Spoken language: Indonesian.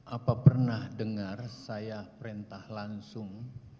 apa pernah dengar saya perintah langsung